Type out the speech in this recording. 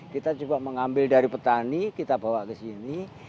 kita coba mengambil dari petani kita bawa ke sini